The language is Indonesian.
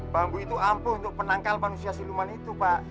bambu itu ampuh untuk penangkal manusia siluman itu pak